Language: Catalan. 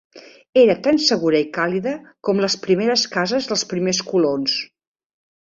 Era tan segura i càlida com les primeres cases dels primers colons.